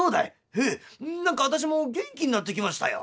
「へえ何か私も元気になってきましたよ」。